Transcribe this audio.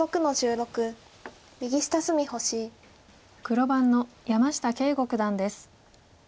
黒番の山下敬吾九段です。